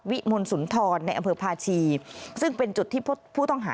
มลสุนทรในอำเภอภาชีซึ่งเป็นจุดที่พบผู้ต้องหา